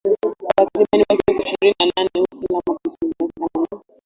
Takriban watu elfu ishirini na nane hufa kila mwaka nchini Uganda kutokana na